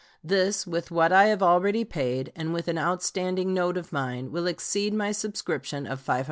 This, with what I have already paid, and with an outstanding note of mine, will exceed my subscription of $500.